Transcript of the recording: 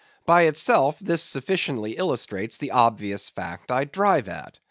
By itself this sufficiently illustrates the obvious fact I drive at.